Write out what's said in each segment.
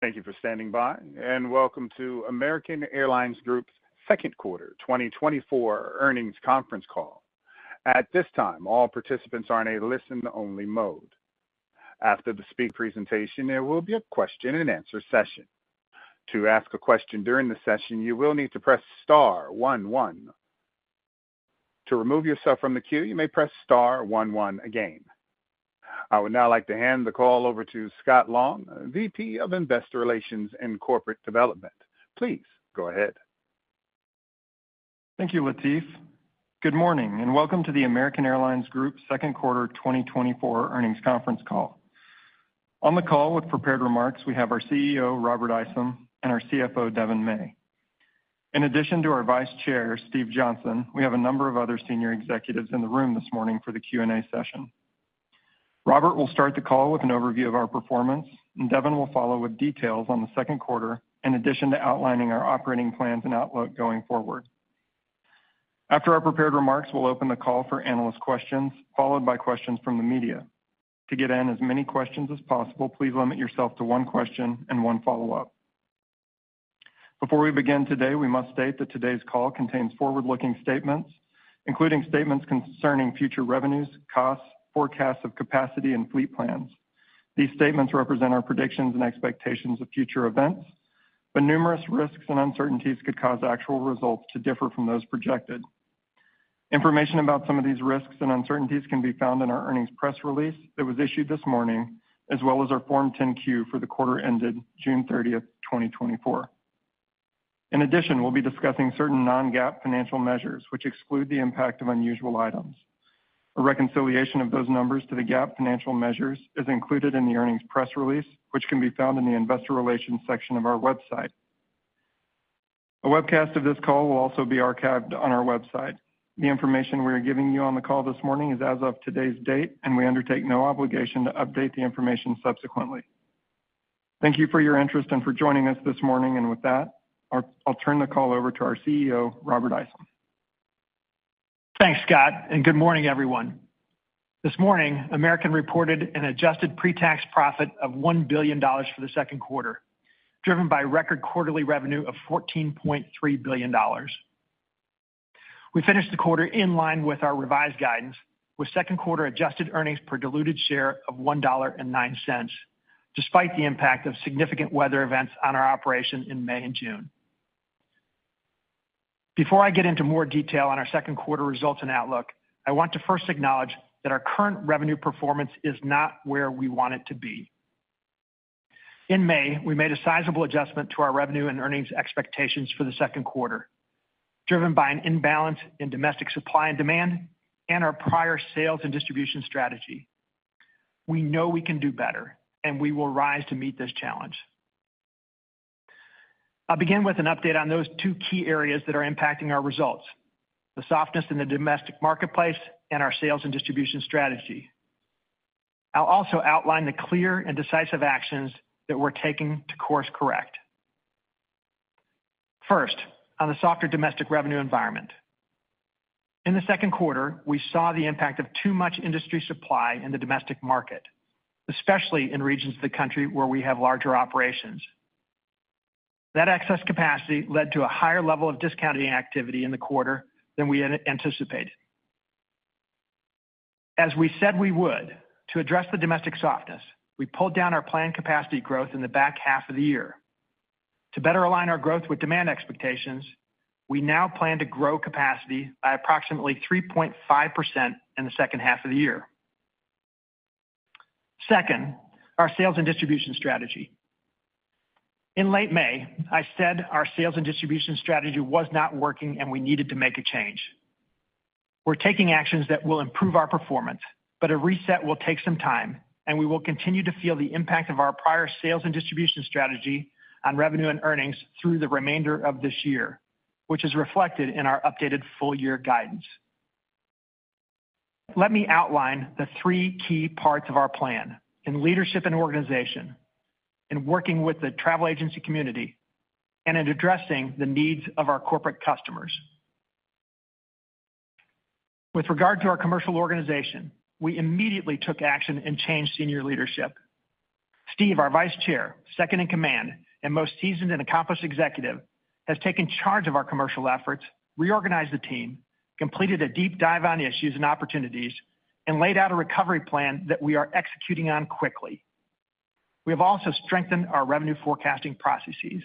Thank you for standing by, and welcome to American Airlines Group's Second Quarter 2024 earnings conference call. At this time, all participants are in a listen-only mode. After the speaker presentation, there will be a question-and-answer session. To ask a question during the session, you will need to press star one one. To remove yourself from the queue, you may press star one one again. I would now like to hand the call over to Scott Long, VP of Investor Relations and Corporate Development. Please go ahead. Thank you, Latif. Good morning, and welcome to the American Airlines Group Second Quarter 2024 earnings conference call. On the call, with prepared remarks, we have our CEO, Robert Isom, and our CFO, Devon May. In addition to our Vice Chair, Steve Johnson, we have a number of other senior executives in the room this morning for the Q&A session. Robert will start the call with an overview of our performance, and Devon will follow with details on the second quarter, in addition to outlining our operating plans and outlook going forward. After our prepared remarks, we'll open the call for analyst questions, followed by questions from the media. To get in as many questions as possible, please limit yourself to one question and one follow-up. Before we begin today, we must state that today's call contains forward-looking statements, including statements concerning future revenues, costs, forecasts of capacity, and fleet plans. These statements represent our predictions and expectations of future events, but numerous risks and uncertainties could cause actual results to differ from those projected. Information about some of these risks and uncertainties can be found in our earnings press release that was issued this morning, as well as our Form 10-Q for the quarter ended June 30, 2024. In addition, we'll be discussing certain non-GAAP financial measures, which exclude the impact of unusual items. A reconciliation of those numbers to the GAAP financial measures is included in the earnings press release, which can be found in the Investor Relations section of our website. A webcast of this call will also be archived on our website. The information we are giving you on the call this morning is as of today's date, and we undertake no obligation to update the information subsequently. Thank you for your interest and for joining us this morning. With that, I'll turn the call over to our CEO, Robert Isom. Thanks, Scott, and good morning, everyone. This morning, American reported an Adjusted pre-tax profit of $1 billion for the second quarter, driven by record quarterly revenue of $14.3 billion. We finished the quarter in line with our revised guidance, with second quarter Adjusted earnings per diluted share of $1.09, despite the impact of significant weather events on our operation in May and June. Before I get into more detail on our second quarter results and outlook, I want to first acknowledge that our current revenue performance is not where we want it to be. In May, we made a sizable adjustment to our revenue and earnings expectations for the second quarter, driven by an imbalance in domestic supply and demand and our prior sales and distribution strategy. We know we can do better, and we will rise to meet this challenge. I'll begin with an update on those two key areas that are impacting our results: the softness in the domestic marketplace and our sales and distribution strategy. I'll also outline the clear and decisive actions that we're taking to course correct. First, on the softer domestic revenue environment. In the second quarter, we saw the impact of too much industry supply in the domestic market, especially in regions of the country where we have larger operations. That excess capacity led to a higher level of discounting activity in the quarter than we anticipated. As we said we would to address the domestic softness, we pulled down our planned capacity growth in the back half of the year. To better align our growth with demand expectations, we now plan to grow capacity by approximately 3.5% in the second half of the year. Second, our sales and distribution strategy. In late May, I said our sales and distribution strategy was not working, and we needed to make a change. We're taking actions that will improve our performance, but a reset will take some time, and we will continue to feel the impact of our prior sales and distribution strategy on revenue and earnings through the remainder of this year, which is reflected in our updated full-year guidance. Let me outline the three key parts of our plan in leadership and organization, in working with the travel agency community, and in addressing the needs of our corporate customers. With regard to our commercial organization, we immediately took action and changed senior leadership. Steve, our Vice Chair, second in command and most seasoned and accomplished executive, has taken charge of our commercial efforts, reorganized the team, completed a deep dive on issues and opportunities, and laid out a recovery plan that we are executing on quickly. We have also strengthened our revenue forecasting processes.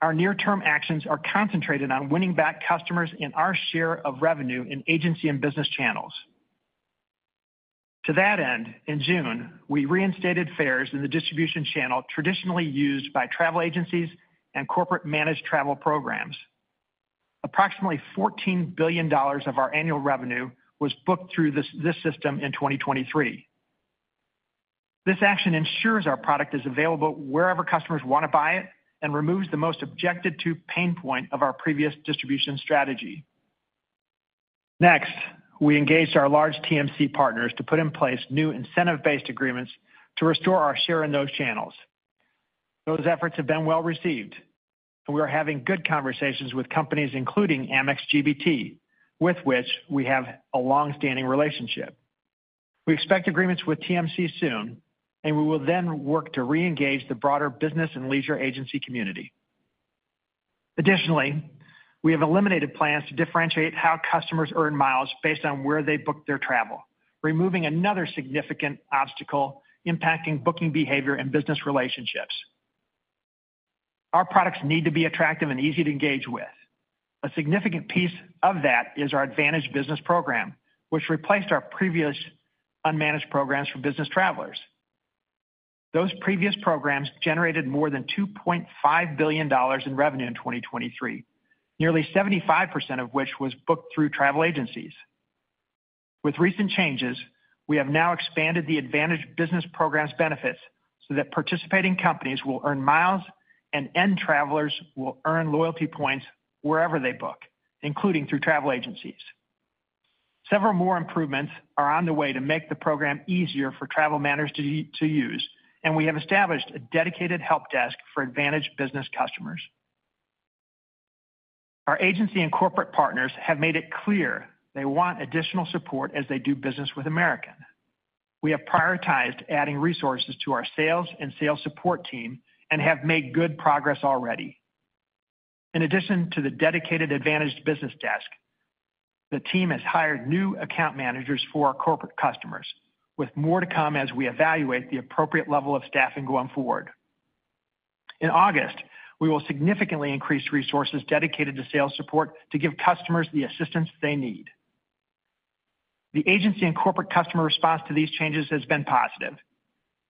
Our near-term actions are concentrated on winning back customers and our share of revenue in agency and business channels. To that end, in June, we reinstated fares in the distribution channel traditionally used by travel agencies and corporate-managed travel programs. Approximately $14 billion of our annual revenue was booked through this system in 2023. This action ensures our product is available wherever customers want to buy it and removes the most objected to pain point of our previous distribution strategy. Next, we engaged our large TMC partners to put in place new incentive-based agreements to restore our share in those channels. Those efforts have been well received, and we are having good conversations with companies including Amex GBT, with which we have a long-standing relationship. We expect agreements with TMC soon, and we will then work to reengage the broader business and leisure agency community. Additionally, we have eliminated plans to differentiate how customers earn miles based on where they book their travel, removing another significant obstacle impacting booking behavior and business relationships. Our products need to be attractive and easy to engage with. A significant piece of that is our AAdvantage Business Program, which replaced our previous unmanaged programs for business travelers. Those previous programs generated more than $2.5 billion in revenue in 2023, nearly 75% of which was booked through travel agencies. With recent changes, we have now expanded the AAdvantage Business Program's benefits so that participating companies will earn miles and end travelers will earn loyalty points wherever they book, including through travel agencies. Several more improvements are on the way to make the program easier for travel managers to use, and we have established a dedicated help desk for AAdvantage Business customers. Our agency and corporate partners have made it clear they want additional support as they do business with American. We have prioritized adding resources to our sales and sales support team and have made good progress already. In addition to the dedicated AAdvantage Business Desk, the team has hired new account managers for our corporate customers, with more to come as we evaluate the appropriate level of staffing going forward. In August, we will significantly increase resources dedicated to sales support to give customers the assistance they need. The agency and corporate customer response to these changes has been positive,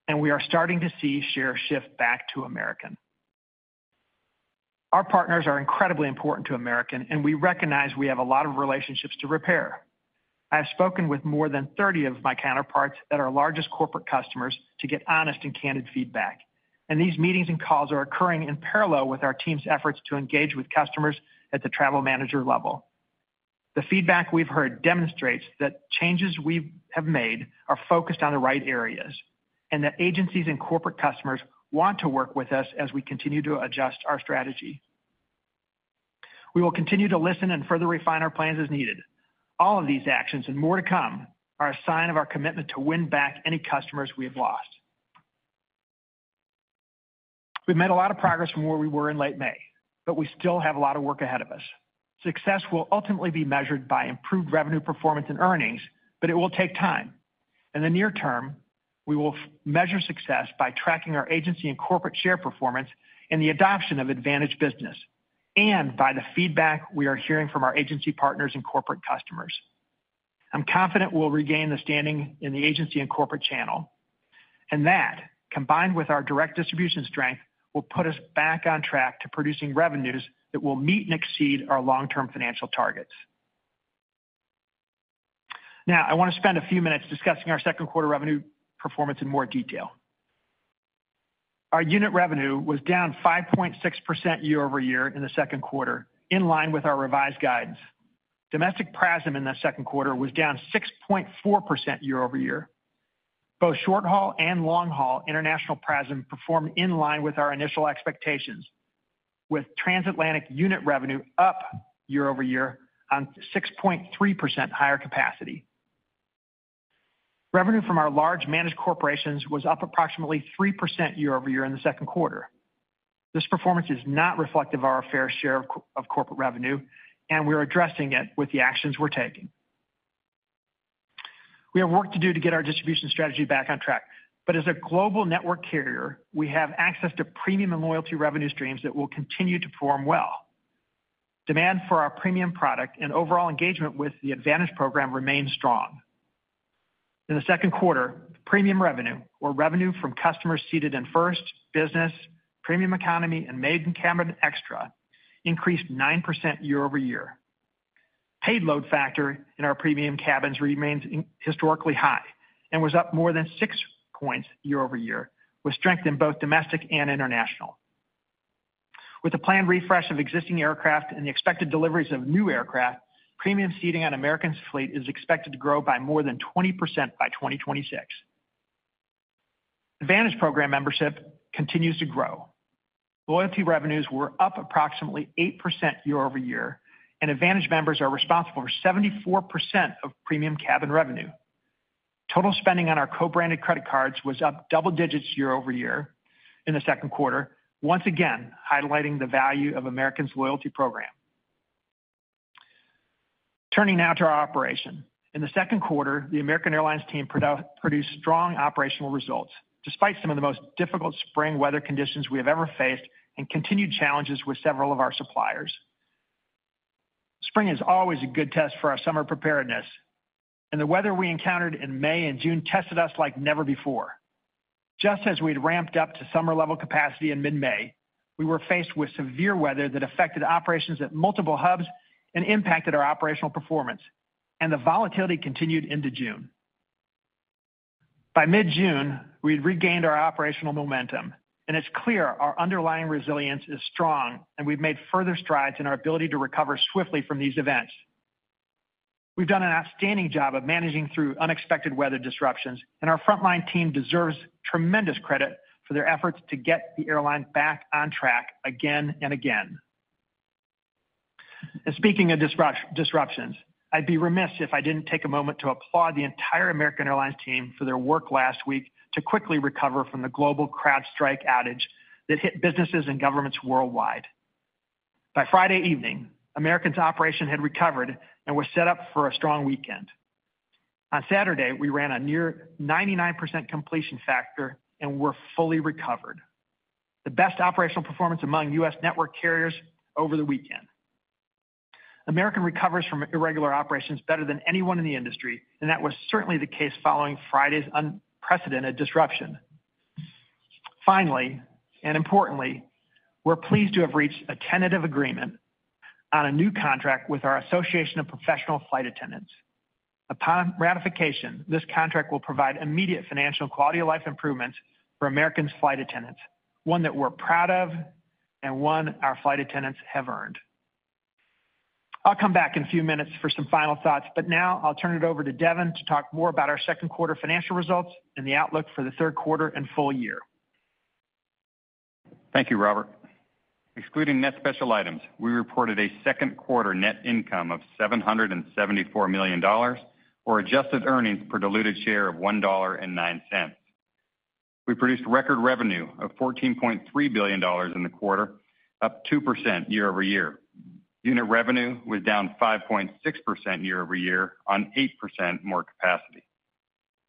and we are starting to see share shift back to American. Our partners are incredibly important to American, and we recognize we have a lot of relationships to repair. I have spoken with more than 30 of my counterparts that are our largest corporate customers to get honest and candid feedback, and these meetings and calls are occurring in parallel with our team's efforts to engage with customers at the travel manager level. The feedback we've heard demonstrates that changes we have made are focused on the right areas and that agencies and corporate customers want to work with us as we continue to adjust our strategy. We will continue to listen and further refine our plans as needed. All of these actions and more to come are a sign of our commitment to win back any customers we have lost. We've made a lot of progress from where we were in late May, but we still have a lot of work ahead of us. Success will ultimately be measured by improved revenue performance and earnings, but it will take time. In the near term, we will measure success by tracking our agency and corporate share performance and the adoption of AAdvantage Business, and by the feedback we are hearing from our agency partners and corporate customers. I'm confident we'll regain the standing in the agency and corporate channel, and that, combined with our direct distribution strength, will put us back on track to producing revenues that will meet and exceed our long-term financial targets. Now, I want to spend a few minutes discussing our second quarter revenue performance in more detail. Our unit revenue was down 5.6% year-over-year in the second quarter, in line with our revised guidance. Domestic PRASM in the second quarter was down 6.4% year-over-year. Both short-haul and long-haul international PRASM performed in line with our initial expectations, with transatlantic unit revenue up year-over-year on 6.3% higher capacity. Revenue from our large managed corporations was up approximately 3% year-over-year in the second quarter. This performance is not reflective of our fair share of corporate revenue, and we are addressing it with the actions we're taking. We have work to do to get our distribution strategy back on track, but as a global network carrier, we have access to premium and loyalty revenue streams that will continue to perform well. Demand for our premium product and overall engagement with the AAdvantage program remain strong. In the second quarter, premium revenue, or revenue from customers seated in First, Business, Premium Economy, and Main Cabin Extra, increased 9% year-over-year. Paid load factor in our premium cabins remains historically high and was up more than 6 points year-over-year, with strength in both domestic and international. With the planned refresh of existing aircraft and the expected deliveries of new aircraft, premium seating on American's fleet is expected to grow by more than 20% by 2026. AAdvantage program membership continues to grow. Loyalty revenues were up approximately 8% year-over-year, and AAdvantage members are responsible for 74% of premium cabin revenue. Total spending on our co-branded credit cards was up double digits year-over-year in the second quarter, once again highlighting the value of American's loyalty program. Turning now to our operations. In the second quarter, the American Airlines team produced strong operational results, despite some of the most difficult spring weather conditions we have ever faced and continued challenges with several of our suppliers. Spring is always a good test for our summer preparedness, and the weather we encountered in May and June tested us like never before. Just as we had ramped up to summer-level capacity in mid-May, we were faced with severe weather that affected operations at multiple hubs and impacted our operational performance, and the volatility continued into June. By mid-June, we had regained our operational momentum, and it's clear our underlying resilience is strong, and we've made further strides in our ability to recover swiftly from these events. We've done an outstanding job of managing through unexpected weather disruptions, and our frontline team deserves tremendous credit for their efforts to get the airline back on track again and again. And speaking of disruptions, I'd be remiss if I didn't take a moment to applaud the entire American Airlines team for their work last week to quickly recover from the global CrowdStrike outage that hit businesses and governments worldwide. By Friday evening, American's operation had recovered and was set up for a strong weekend. On Saturday, we ran a near 99% completion factor and were fully recovered. The best operational performance among U.S. network carriers over the weekend. American recovers from irregular operations better than anyone in the industry, and that was certainly the case following Friday's unprecedented disruption. Finally, and importantly, we're pleased to have reached a tentative agreement on a new contract with our Association of Professional Flight Attendants. Upon ratification, this contract will provide immediate financial and quality of life improvements for American's flight attendants, one that we're proud of and one our flight attendants have earned. I'll come back in a few minutes for some final thoughts, but now I'll turn it over to Devon to talk more about our second quarter financial results and the outlook for the third quarter and full year. Thank you, Robert. Excluding net special items, we reported a second quarter net income of $774 million, or Adjusted earnings per diluted share of $1.09. We produced record revenue of $14.3 billion in the quarter, up 2% year-over-year. Unit revenue was down 5.6% year-over-year on 8% more capacity.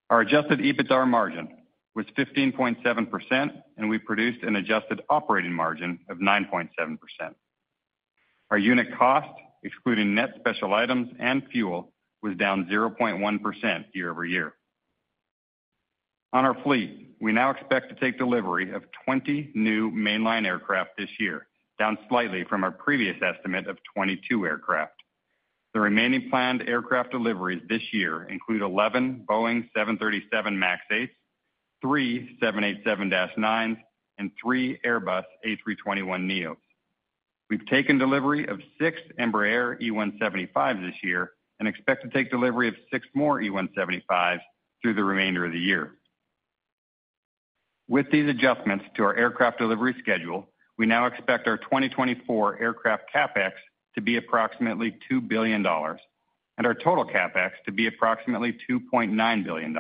Our Adjusted EBITDA margin was 15.7%, and we produced an Adjusted operating margin of 9.7%. Our unit cost, excluding net special items and fuel, was down 0.1% year over year. On our fleet, we now expect to take delivery of 20 new mainline aircraft this year, down slightly from our previous estimate of 22 aircraft. The remaining planned aircraft deliveries this year include 11 Boeing 737 MAX 8s, three 787-9s, and three Airbus A321neos. We've taken delivery of six Embraer E175s this year and expect to take delivery of six more E175s through the remainder of the year. With these adjustments to our aircraft delivery schedule, we now expect our 2024 aircraft CapEx to be approximately $2 billion and our total CapEx to be approximately $2.9 billion.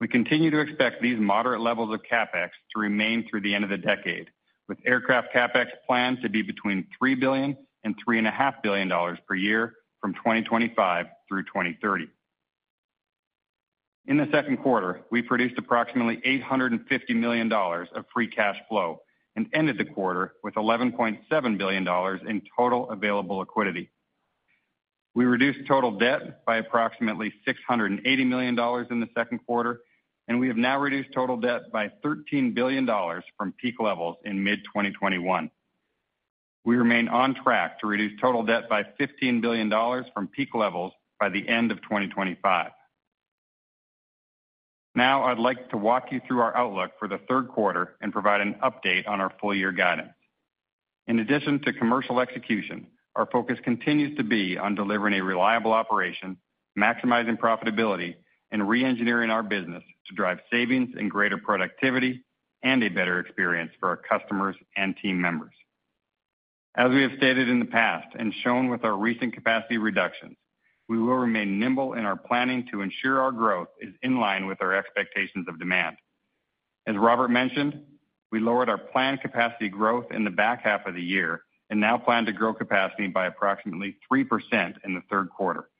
We continue to expect these moderate levels of CapEx to remain through the end of the decade, with aircraft CapEx planned to be between $3 billion and $3.5 billion per year from 2025 through 2030. In the second quarter, we produced approximately $850 million of free cash flow and ended the quarter with $11.7 billion in total available liquidity. We reduced total debt by approximately $680 million in the second quarter, and we have now reduced total debt by $13 billion from peak levels in mid-2021. We remain on track to reduce total debt by $15 billion from peak levels by the end of 2025. Now, I'd like to walk you through our outlook for the third quarter and provide an update on our full-year guidance. In addition to commercial execution, our focus continues to be on delivering a reliable operation, maximizing profitability, and re-engineering our business to drive savings and greater productivity and a better experience for our customers and team members. As we have stated in the past and shown with our recent capacity reductions, we will remain nimble in our planning to ensure our growth is in line with our expectations of demand. As Robert mentioned, we lowered our planned capacity growth in the back half of the year and now plan to grow capacity by approximately 3% in the third quarter,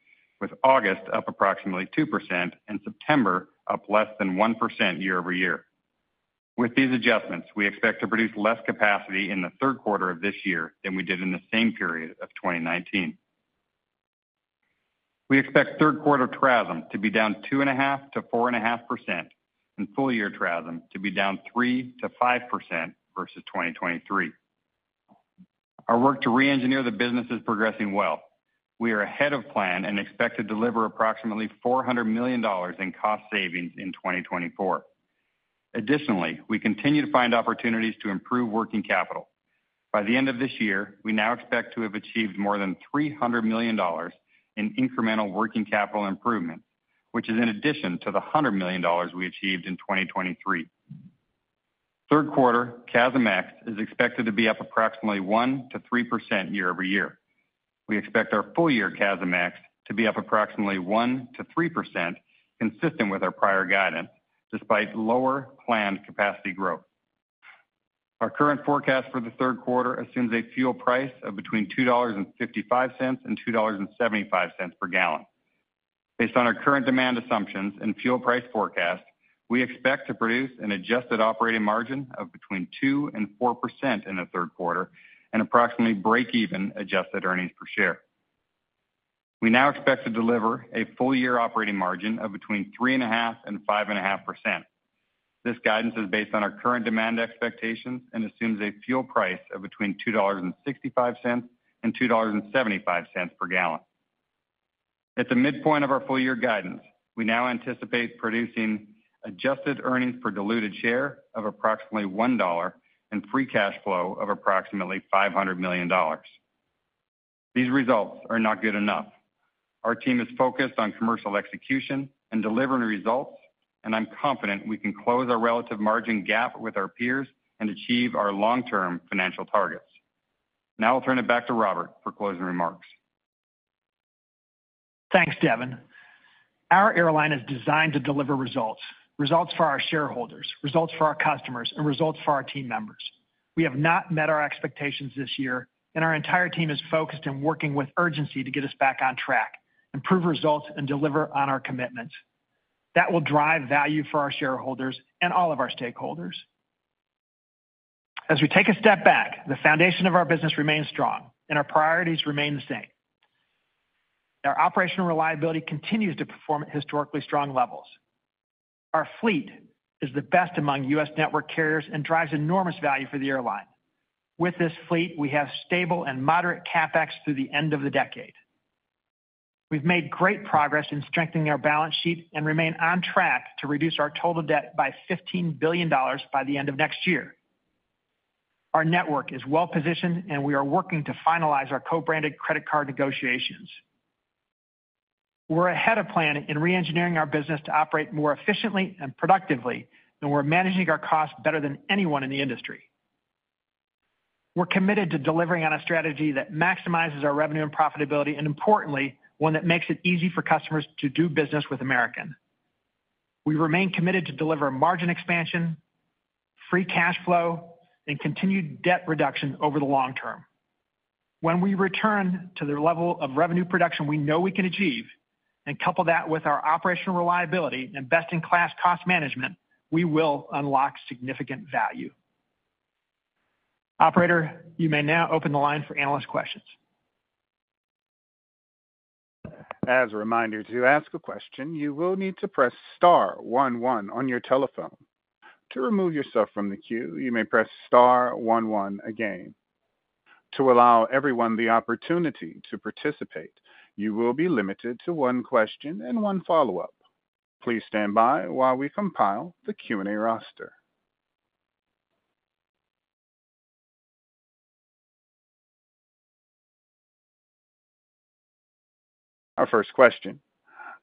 with August up approximately 2% and September up less than 1% year over year. With these adjustments, we expect to produce less capacity in the third quarter of this year than we did in the same period of 2019. We expect third quarter PRASM to be down 2.5%-4.5% and full-year PRASM to be down 3%-5% versus 2023. Our work to re-engineer the business is progressing well. We are ahead of plan and expect to deliver approximately $400 million in cost savings in 2024. Additionally, we continue to find opportunities to improve working capital. By the end of this year, we now expect to have achieved more than $300 million in incremental working capital improvements, which is in addition to the $100 million we achieved in 2023. Third quarter CASM-ex is expected to be up approximately 1%-3% year-over-year. We expect our full-year CASM-ex to be up approximately 1%-3%, consistent with our prior guidance, despite lower planned capacity growth. Our current forecast for the third quarter assumes a fuel price of between $2.55-$2.75 per gallon. Based on our current demand assumptions and fuel price forecast, we expect to produce an Adjusted operating margin of between 2% and 4% in the third quarter and approximately break-even Adjusted earnings per share. We now expect to deliver a full-year operating margin of between 3.5% and 5.5%. This guidance is based on our current demand expectations and assumes a fuel price of between $2.65 and $2.75 per gallon. At the midpoint of our full-year guidance, we now anticipate producing Adjusted earnings per diluted share of approximately $1.00 and free cash flow of approximately $500 million. These results are not good enough. Our team is focused on commercial execution and delivering results, and I'm confident we can close our relative margin gap with our peers and achieve our long-term financial targets. Now I'll turn it back to Robert for closing remarks. Thanks, Devon. Our airline is designed to deliver results: results for our shareholders, results for our customers, and results for our team members. We have not met our expectations this year, and our entire team is focused and working with urgency to get us back on track, improve results, and deliver on our commitments. That will drive value for our shareholders and all of our stakeholders. As we take a step back, the foundation of our business remains strong, and our priorities remain the same. Our operational reliability continues to perform at historically strong levels. Our fleet is the best among U.S. network carriers and drives enormous value for the airline. With this fleet, we have stable and moderate CapEx through the end of the decade. We've made great progress in strengthening our balance sheet and remain on track to reduce our total debt by $15 billion by the end of next year. Our network is well positioned, and we are working to finalize our co-branded credit card negotiations. We're ahead of plan in re-engineering our business to operate more efficiently and productively, and we're managing our costs better than anyone in the industry. We're committed to delivering on a strategy that maximizes our revenue and profitability, and importantly, one that makes it easy for customers to do business with American. We remain committed to deliver margin expansion, free cash flow, and continued debt reduction over the long term. When we return to the level of revenue production we know we can achieve, and couple that with our operational reliability and best-in-class cost management, we will unlock significant value. Operator, you may now open the line for analyst questions. As a reminder, to ask a question, you will need to press star one one on your telephone. To remove yourself from the queue, you may press star one one again. To allow everyone the opportunity to participate, you will be limited to one question and one follow-up. Please stand by while we compile the Q&A roster. Our first question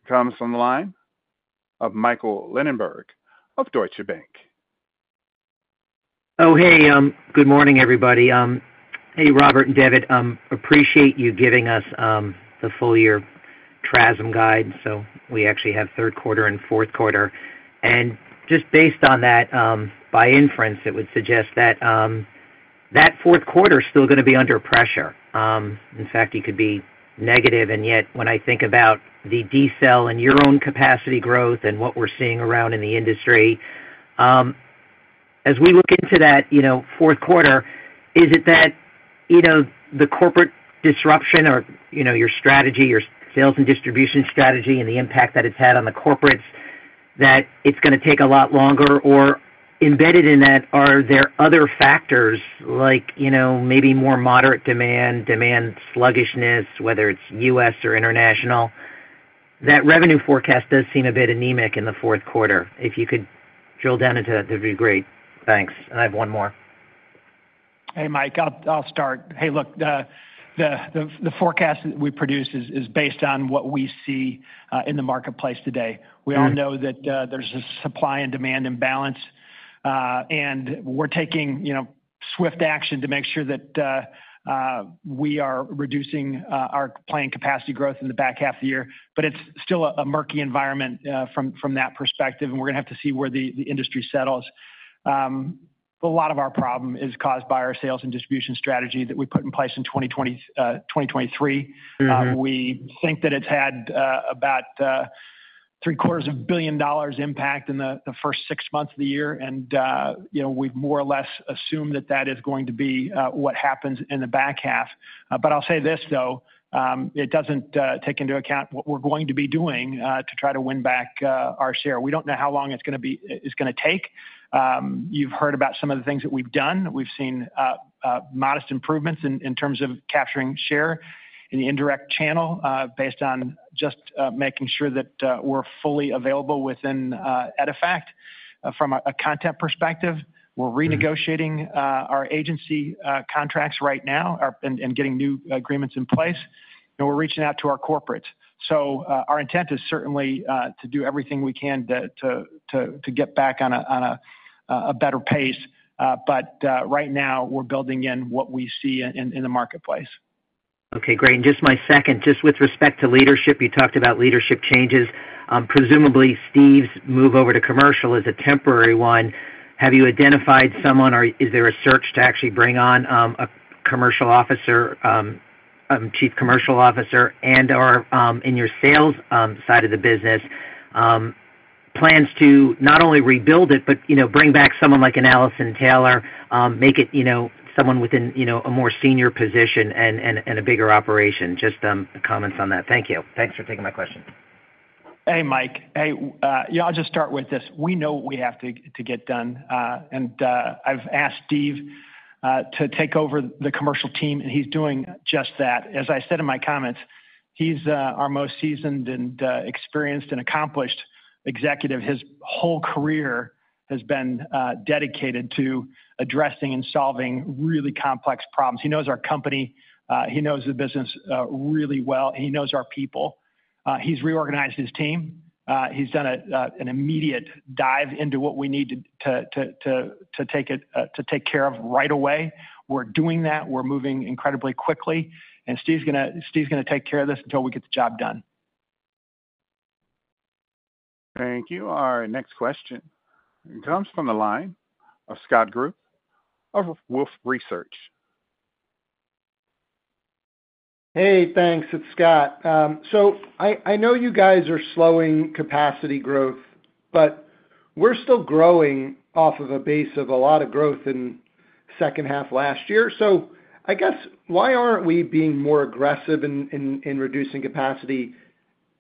comes from the line of Michael Linenberg of Deutsche Bank. Oh, hey. Good morning, everybody. Hey, Robert and Devon. I appreciate you giving us the full-year CASM guide. So we actually have third quarter and fourth quarter. And just based on that, by inference, it would suggest that that fourth quarter is still going to be under pressure. In fact, it could be negative. And yet, when I think about the decel and your own capacity growth and what we're seeing around in the industry, as we look into that fourth quarter, is it that the corporate disruption or your strategy, your sales and distribution strategy, and the impact that it's had on the corporates, that it's going to take a lot longer? Or embedded in that, are there other factors, like maybe more moderate demand, demand sluggishness, whether it's U.S. or international? That revenue forecast does seem a bit anemic in the fourth quarter. If you could drill down into that, that would be great. Thanks. And I have one more. Hey, Mike, I'll start. Hey, look, the forecast that we produce is based on what we see in the marketplace today. We all know that there's a supply and demand imbalance, and we're taking swift action to make sure that we are reducing our planned capacity growth in the back half of the year. But it's still a murky environment from that perspective, and we're going to have to see where the industry settles. A lot of our problem is caused by our sales and distribution strategy that we put in place in 2023. We think that it's had about $750 million impact in the first six months of the year, and we've more or less assumed that that is going to be what happens in the back half. But I'll say this, though: it doesn't take into account what we're going to be doing to try to win back our share. We don't know how long it's going to take. You've heard about some of the things that we've done. We've seen modest improvements in terms of capturing share in the indirect channel based on just making sure that we're fully available within EDIFACT. From a content perspective, we're renegotiating our agency contracts right now and getting new agreements in place, and we're reaching out to our corporates. So our intent is certainly to do everything we can to get back on a better pace. But right now, we're building in what we see in the marketplace. Okay, great. And just my second, just with respect to leadership, you talked about leadership changes. Presumably, Steve's move over to commercial is a temporary one. Have you identified someone, or is there a search to actually bring on a commercial officer, chief commercial officer, and/or in your sales side of the business plans to not only rebuild it but bring back someone like an Alison Taylor, make it someone within a more senior position and a bigger operation? Just comments on that. Thank you. Thanks for taking my question. Hey, Mike. Hey, I'll just start with this. We know what we have to get done. And I've asked Steve to take over the commercial team, and he's doing just that. As I said in my comments, he's our most seasoned and experienced and accomplished executive. His whole career has been dedicated to addressing and solving really complex problems. He knows our company. He knows the business really well. He knows our people. He's reorganized his team. He's done an immediate dive into what we need to take care of right away. We're doing that. We're moving incredibly quickly. And Steve's going to take care of this until we get the job done. Thank you. Our next question comes from the line of Scott Group of Wolfe Research. Hey, thanks. It's Scott. So I know you guys are slowing capacity growth, but we're still growing off of a base of a lot of growth in the second half last year. So I guess, why aren't we being more aggressive in reducing capacity?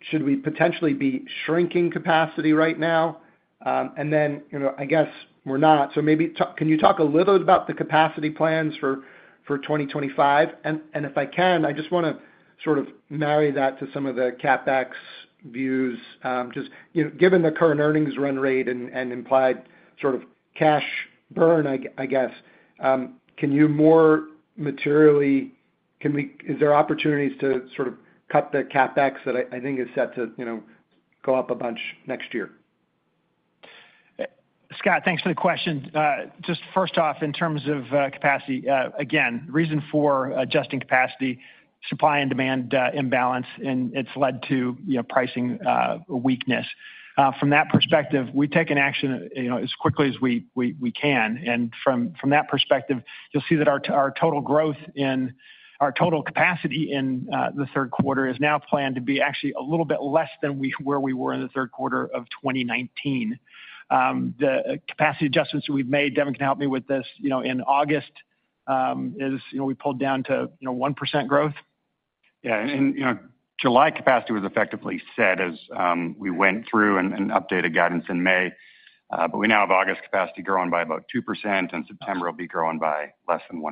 Should we potentially be shrinking capacity right now? And then, I guess, we're not. So maybe can you talk a little bit about the capacity plans for 2025? And if I can, I just want to sort of marry that to some of the CapEx views. Just given the current earnings run rate and implied sort of cash burn, I guess, can you more materially—is there opportunities to sort of cut the CapEx that I think is set to go up a bunch next year? Scott, thanks for the question. Just first off, in terms of capacity, again, reason for adjusting capacity: supply and demand imbalance, and it's led to pricing weakness. From that perspective, we've taken action as quickly as we can. And from that perspective, you'll see that our total growth in our total capacity in the third quarter is now planned to be actually a little bit less than where we were in the third quarter of 2019. The capacity adjustments that we've made, Devon can help me with this, in August, we pulled down to 1% growth. Yeah. And July capacity was effectively set as we went through and updated guidance in May. We now have August capacity growing by about 2%, and September will be growing by less than 1%.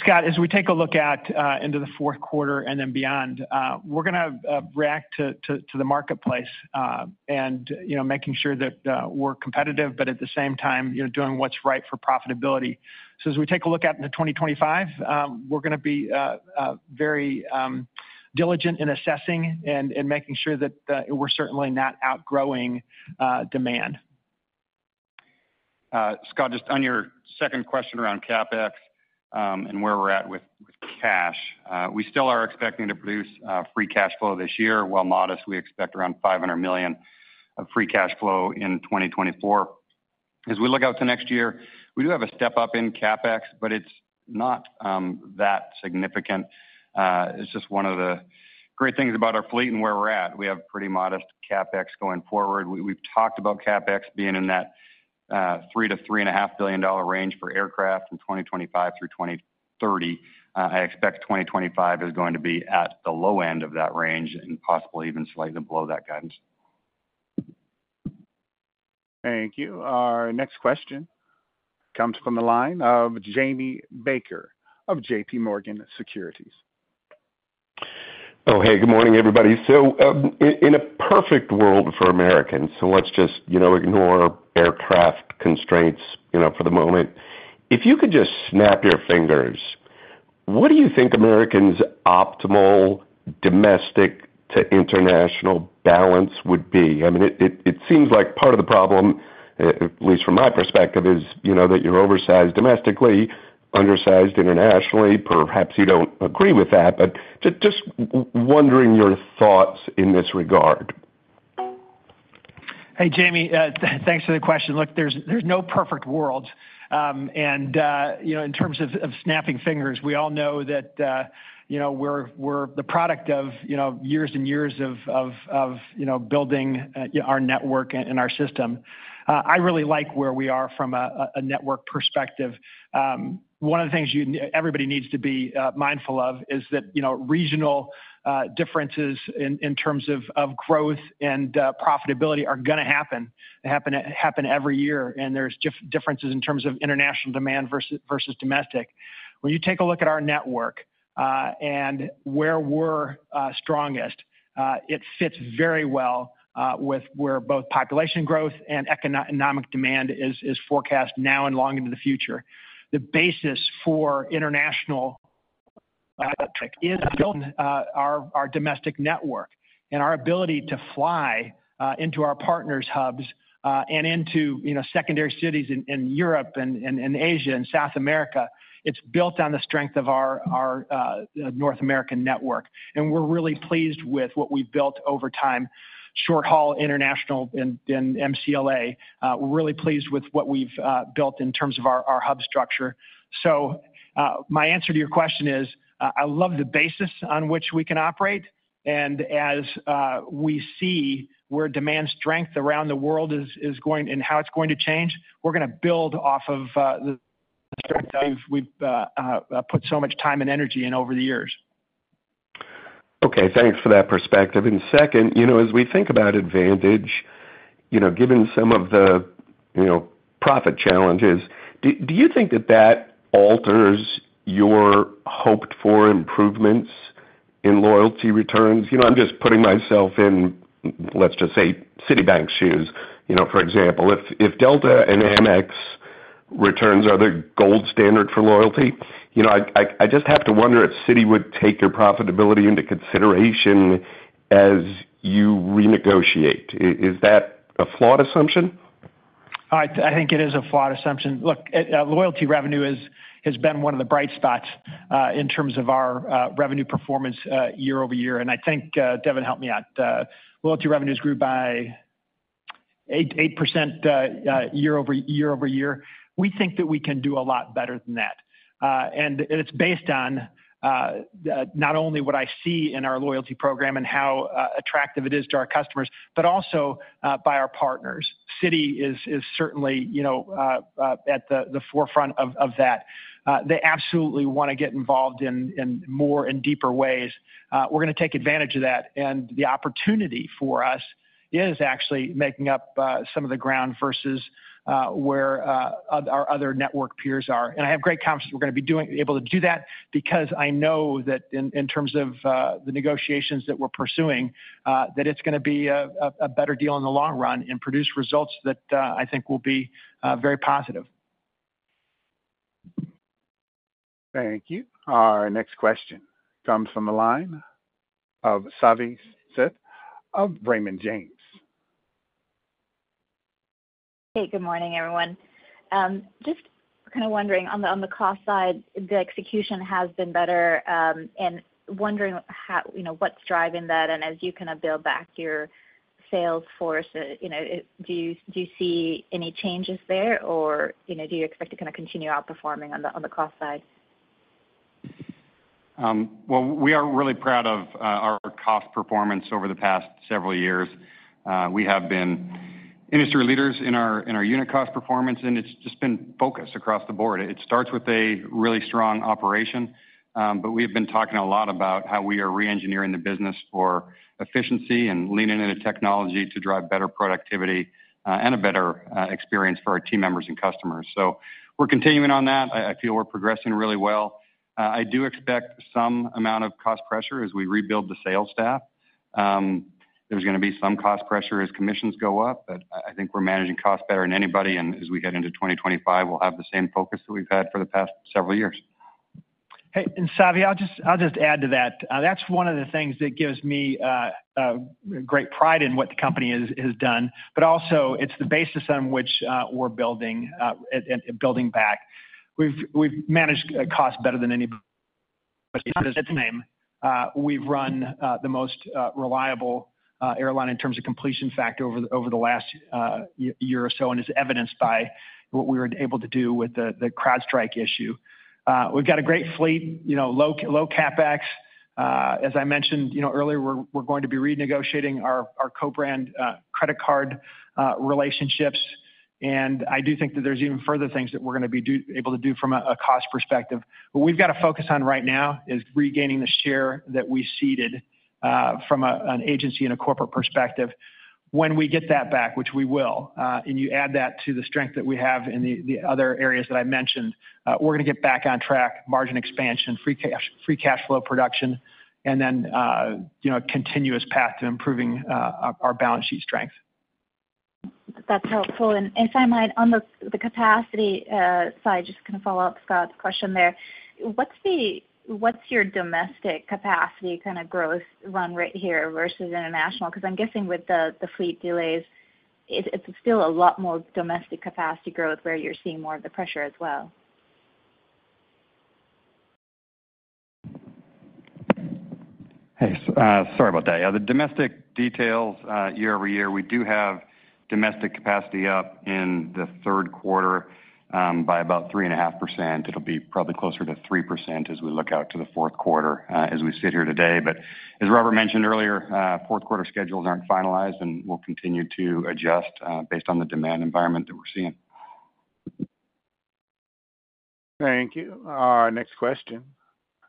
Scott, as we take a look into the fourth quarter and then beyond, we're going to react to the marketplace and making sure that we're competitive, but at the same time, doing what's right for profitability. As we take a look at 2025, we're going to be very diligent in assessing and making sure that we're certainly not outgrowing demand. Scott, just on your second question around CapEx and where we're at with cash, we still are expecting to produce free cash flow this year. While modest, we expect around $500 million of free cash flow in 2024. As we look out to next year, we do have a step up in CapEx, but it's not that significant. It's just one of the great things about our fleet and where we're at. We have pretty modest CapEx going forward. We've talked about CapEx being in that $3 billion-$3.5 billion range for aircraft from 2025 through 2030. I expect 2025 is going to be at the low end of that range and possibly even slightly below that guidance. Thank you. Our next question comes from the line of Jamie Baker of JPMorgan Securities. Oh, hey, good morning, everybody. So in a perfect world for Americans, so let's just ignore aircraft constraints for the moment, if you could just snap your fingers, what do you think America's optimal domestic to international balance would be? I mean, it seems like part of the problem, at least from my perspective, is that you're oversized domestically, undersized internationally. Perhaps you don't agree with that, but just wondering your thoughts in this regard. Hey, Jamie, thanks for the question. Look, there's no perfect world. In terms of snapping fingers, we all know that we're the product of years and years of building our network and our system. I really like where we are from a network perspective. One of the things everybody needs to be mindful of is that regional differences in terms of growth and profitability are going to happen every year. There's differences in terms of international demand versus domestic. When you take a look at our network and where we're strongest, it fits very well with where both population growth and economic demand is forecast now and long into the future. The basis for international is our domestic network and our ability to fly into our partners' hubs and into secondary cities in Europe and Asia and South America. It's built on the strength of our North American network. We're really pleased with what we've built over time: short-haul international and MCLA. We're really pleased with what we've built in terms of our hub structure. So my answer to your question is I love the basis on which we can operate. As we see where demand strength around the world is going and how it's going to change, we're going to build off of the strength that we've put so much time and energy in over the years. Okay. Thanks for that perspective. Second, as we think about advantage, given some of the profit challenges, do you think that that alters your hoped-for improvements in loyalty returns? I'm just putting myself in, let's just say, Citibank's shoes, for example. If Delta and Amex returns are the gold standard for loyalty, I just have to wonder if Citi would take your profitability into consideration as you renegotiate. Is that a flawed assumption? I think it is a flawed assumption. Look, loyalty revenue has been one of the bright spots in terms of our revenue performance year-over-year. And I think Devon helped me out. Loyalty revenues grew by 8% year-over-year. We think that we can do a lot better than that. And it's based on not only what I see in our loyalty program and how attractive it is to our customers, but also by our partners. Citi is certainly at the forefront of that. They absolutely want to get involved in more and deeper ways. We're going to take advantage of that. The opportunity for us is actually making up some of the ground versus where our other network peers are. I have great confidence we're going to be able to do that because I know that in terms of the negotiations that we're pursuing, that it's going to be a better deal in the long run and produce results that I think will be very positive. Thank you. Our next question comes from the line of Savanthi Syth of Raymond James. Hey, good morning, everyone. Just kind of wondering, on the cost side, the execution has been better. Wondering what's driving that. As you kind of build back your sales force, do you see any changes there, or do you expect to kind of continue outperforming on the cost side? Well, we are really proud of our cost performance over the past several years. We have been industry leaders in our unit cost performance, and it's just been focused across the board. It starts with a really strong operation, but we have been talking a lot about how we are re-engineering the business for efficiency and leaning into technology to drive better productivity and a better experience for our team members and customers. So we're continuing on that. I feel we're progressing really well. I do expect some amount of cost pressure as we rebuild the sales staff. There's going to be some cost pressure as commissions go up, but I think we're managing costs better than anybody. And as we head into 2025, we'll have the same focus that we've had for the past several years. Hey, and Savi, I'll just add to that. That's one of the things that gives me great pride in what the company has done. But also, it's the basis on which we're building back. We've managed costs better than anybody in its industry. We've run the most reliable airline in terms of completion factor over the last year or so, and it's evidenced by what we were able to do with the CrowdStrike issue. We've got a great fleet, low CapEx. As I mentioned earlier, we're going to be renegotiating our co-brand credit card relationships. And I do think that there's even further things that we're going to be able to do from a cost perspective. What we've got to focus on right now is regaining the share that we ceded from an agency and a corporate perspective. When we get that back, which we will, and you add that to the strength that we have in the other areas that I mentioned, we're going to get back on track, margin expansion, free cash flow production, and then a continuous path to improving our balance sheet strength. That's helpful. And if I might, on the capacity side, just kind of follow up Scott's question there. What's your domestic capacity kind of growth run rate here versus international? Because I'm guessing with the fleet delays, it's still a lot more domestic capacity growth where you're seeing more of the pressure as well. Hey, sorry about that. The domestic details, year-over-year, we do have domestic capacity up in the third quarter by about 3.5%. It'll be probably closer to 3% as we look out to the fourth quarter as we sit here today. But as Robert mentioned earlier, fourth quarter schedules aren't finalized, and we'll continue to adjust based on the demand environment that we're seeing. Thank you. Our next question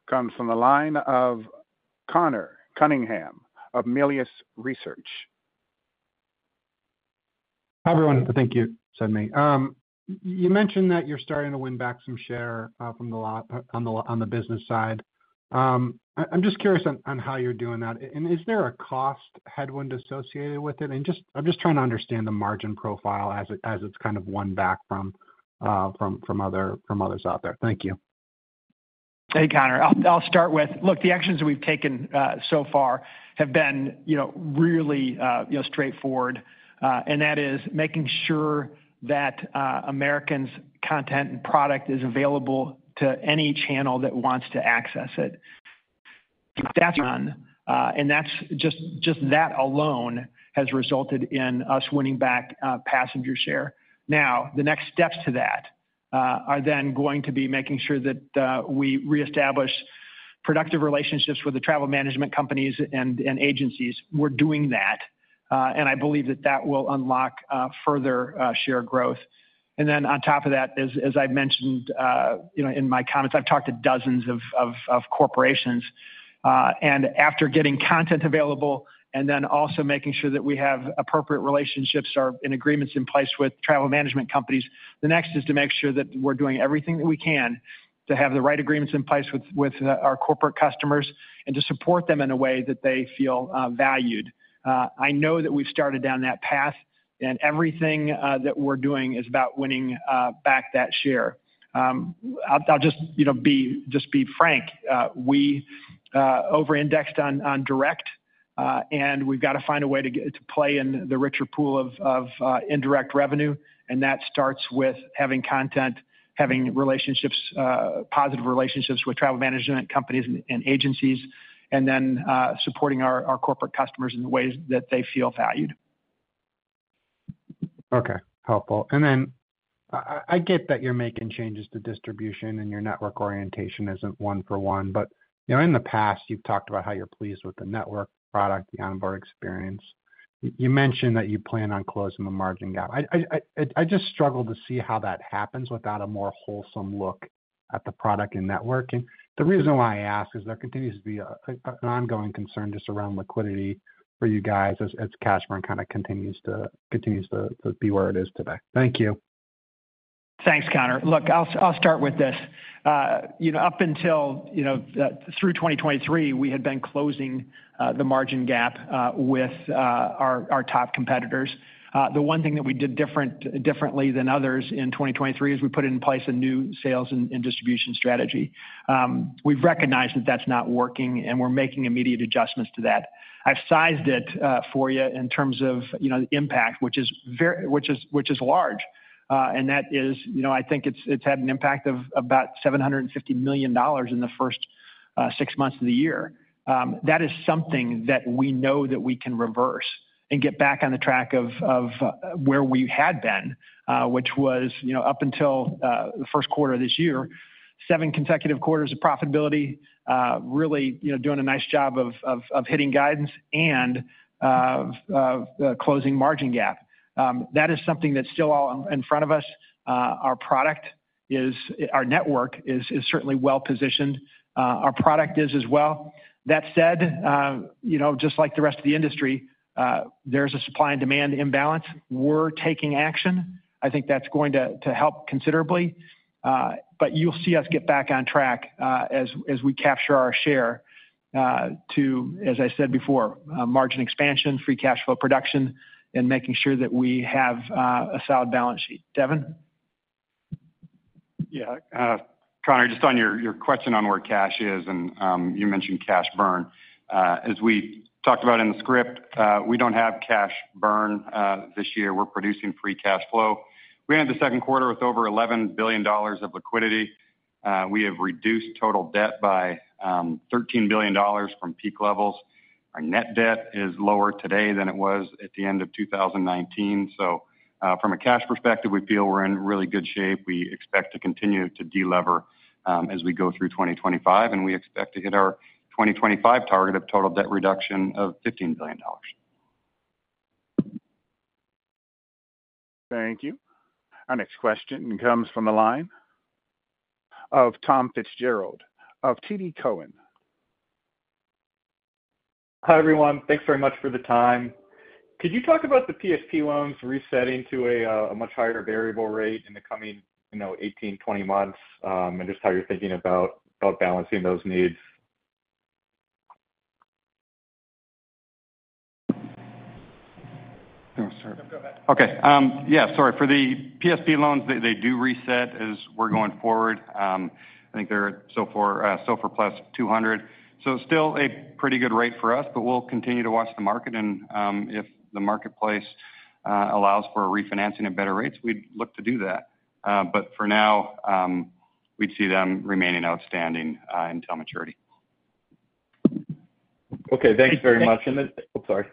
comes from the line of Conor Cunningham of Melius Research. Hi everyone. Thank you, Sydney. You mentioned that you're starting to win back some share on the business side. I'm just curious on how you're doing that. And is there a cost headwind associated with it? And I'm just trying to understand the margin profile as it's kind of won back from others out there. Thank you. Hey, Connor. I'll start with, look, the actions that we've taken so far have been really straightforward. And that is making sure that American's content and product is available to any channel that wants to access it. That's done. And just that alone has resulted in us winning back passenger share. Now, the next steps to that are then going to be making sure that we reestablish productive relationships with the travel management companies and agencies. We're doing that. I believe that that will unlock further share growth. Then on top of that, as I've mentioned in my comments, I've talked to dozens of corporations. And after getting content available and then also making sure that we have appropriate relationships or agreements in place with travel management companies, the next is to make sure that we're doing everything that we can to have the right agreements in place with our corporate customers and to support them in a way that they feel valued. I know that we've started down that path, and everything that we're doing is about winning back that share. I'll just be frank. We over-indexed on direct, and we've got to find a way to play in the richer pool of indirect revenue. And that starts with having content, having relationships, positive relationships with travel management companies and agencies, and then supporting our corporate customers in the ways that they feel valued. Okay. Helpful. And then I get that you're making changes to distribution and your network orientation isn't one for one. But in the past, you've talked about how you're pleased with the network product, the onboard experience. You mentioned that you plan on closing the margin gap. I just struggle to see how that happens without a more wholesale look at the product and network. The reason why I ask is there continues to be an ongoing concern just around liquidity for you guys as cash burn kind of continues to be where it is today. Thank you. Thanks, Connor. Look, I'll start with this. Up until through 2023, we had been closing the margin gap with our top competitors. The one thing that we did differently than others in 2023 is we put in place a new sales and distribution strategy. We've recognized that that's not working, and we're making immediate adjustments to that. I've sized it for you in terms of the impact, which is large. And that is, I think it's had an impact of about $750 million in the first six months of the year. That is something that we know that we can reverse and get back on the track of where we had been, which was up until the first quarter of this year, seven consecutive quarters of profitability, really doing a nice job of hitting guidance and closing margin gap. That is something that's still all in front of us. Our network is certainly well positioned. Our product is as well. That said, just like the rest of the industry, there's a supply and demand imbalance. We're taking action. I think that's going to help considerably. But you'll see us get back on track as we capture our share to, as I said before, margin expansion, free cash flow production, and making sure that we have a solid balance sheet. Devon? Yeah. Connor, just on your question on where cash is, and you mentioned cash burn. As we talked about in the script, we don't have cash burn this year. We're producing free cash flow. We ended the second quarter with over $11 billion of liquidity. We have reduced total debt by $13 billion from peak levels. Our net debt is lower today than it was at the end of 2019. So from a cash perspective, we feel we're in really good shape. We expect to continue to delever as we go through 2025. We expect to hit our 2025 target of total debt reduction of $15 billion. Thank you. Our next question comes from the line of Tom Fitzgerald of TD Cowen. Hi everyone. Thanks very much for the time. Could you talk about the PSP loans resetting to a much higher variable rate in the coming 18-20 months and just how you're thinking about balancing those needs? No, sir. Go ahead. Okay. Yeah, sorry. For the PSP loans, they do reset as we're going forward. I think they're SOFR +200. So still a pretty good rate for us, but we'll continue to watch the market. And if the marketplace allows for refinancing at better rates, we'd look to do that. But for now, we'd see them remaining outstanding until maturity. Okay. Thanks very much. And then, oh, sorry.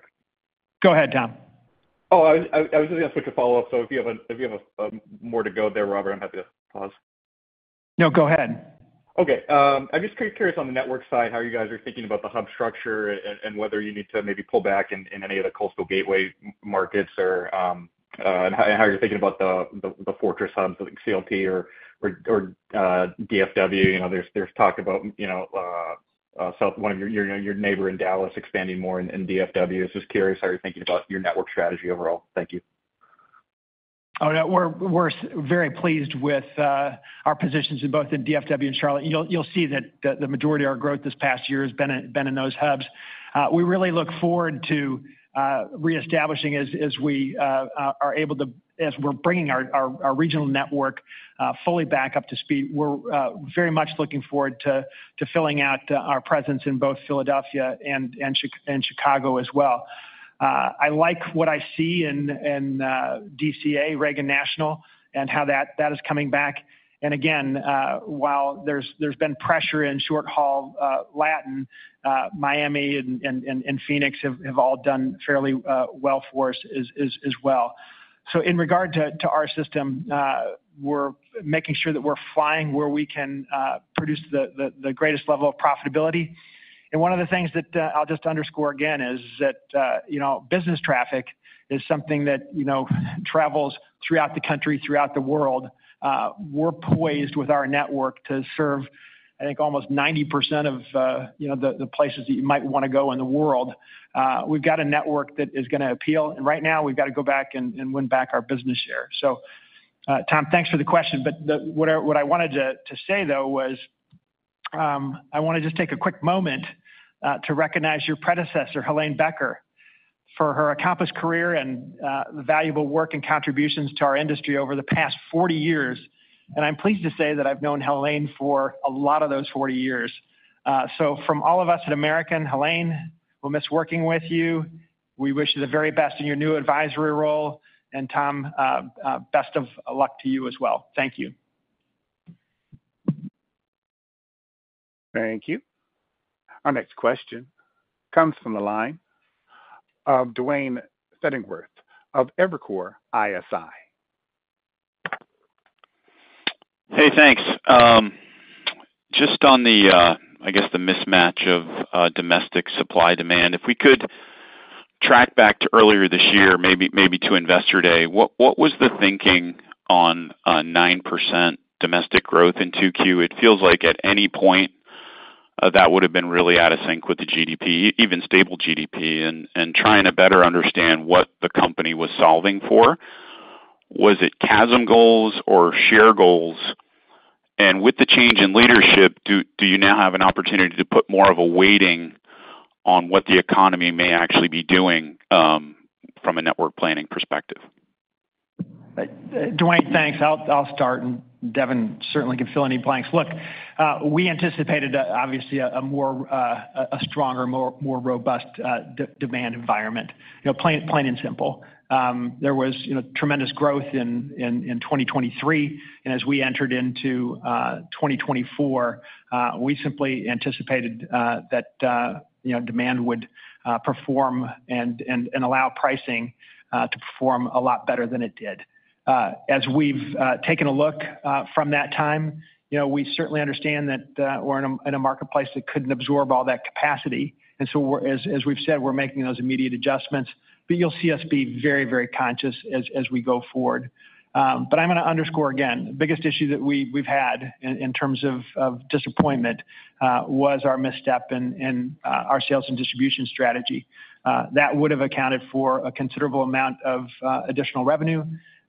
Go ahead, Tom. Oh, I was just going to switch to follow-up. So if you have more to go there, Robert, I'm happy to pause. No, go ahead. Okay. I'm just curious on the network side, how you guys are thinking about the hub structure and whether you need to maybe pull back in any of the Coastal Gateway markets or how you're thinking about the fortress hubs, CLT or DFW. There's talk about one of your neighbor in Dallas expanding more in DFW. I was just curious how you're thinking about your network strategy overall. Thank you. Oh, yeah. We're very pleased with our positions in both DFW and Charlotte. You'll see that the majority of our growth this past year has been in those hubs. We really look forward to reestablishing as we are able to, as we're bringing our regional network fully back up to speed. We're very much looking forward to filling out our presence in both Philadelphia and Chicago as well. I like what I see in DCA, Reagan National, and how that is coming back. And again, while there's been pressure in short-haul, Latin, Miami, and Phoenix have all done fairly well for us as well. So in regard to our system, we're making sure that we're flying where we can produce the greatest level of profitability. And one of the things that I'll just underscore again is that business traffic is something that travels throughout the country, throughout the world. We're poised with our network to serve, I think, almost 90% of the places that you might want to go in the world. We've got a network that is going to appeal. And right now, we've got to go back and win back our business share. So, Tom, thanks for the question. But what I wanted to say, though, was I want to just take a quick moment to recognize your predecessor, Helane Becker, for her accomplished career and valuable work and contributions to our industry over the past 40 years. And I'm pleased to say that I've known Helane for a lot of those 40 years. So from all of us at American, Helane, we'll miss working with you. We wish you the very best in your new advisory role. And Tom, best of luck to you as well. Thank you. Thank you. Our next question comes from the line of Duane Pfennigwerth of Evercore ISI. Hey, thanks. Just on the, I guess, mismatch of domestic supply demand, if we could track back to earlier this year, maybe to Investor Day, what was the thinking on 9% domestic growth in 2Q? It feels like at any point that would have been really out of sync with the GDP, even stable GDP, and trying to better understand what the company was solving for. Was it CASM goals or share goals? And with the change in leadership, do you now have an opportunity to put more of a weighting on what the economy may actually be doing from a network planning perspective? Duane, thanks. I'll start. And Devon certainly can fill any blanks. Look, we anticipated, obviously, a stronger, more robust demand environment. Plain and simple. There was tremendous growth in 2023. As we entered into 2024, we simply anticipated that demand would perform and allow pricing to perform a lot better than it did. As we've taken a look from that time, we certainly understand that we're in a marketplace that couldn't absorb all that capacity. So, as we've said, we're making those immediate adjustments. You'll see us be very, very conscious as we go forward. I'm going to underscore again, the biggest issue that we've had in terms of disappointment was our misstep in our sales and distribution strategy. That would have accounted for a considerable amount of additional revenue.